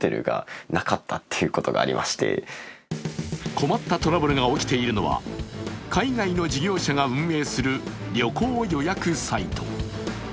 困ったトラブルが起きているのは海外の事業者が運営する旅行予約サイト。